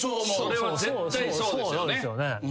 それは絶対そうですよね。